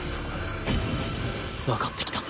わかってきたぞ